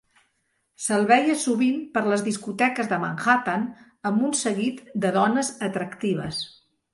Se'l veia sovint per les discoteques de Manhattan amb un seguit de dones atractives.